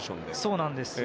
そうなんですよ。